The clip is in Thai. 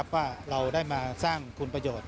ว่าเราได้มาสร้างคุณประโยชน์